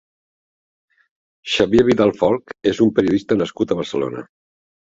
Xavier Vidal-Folch és un periodista nascut a Barcelona.